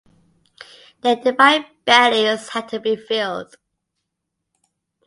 Their divine bellies had to be filled.